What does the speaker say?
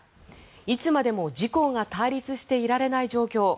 いつまでも自公が対立していられない状況。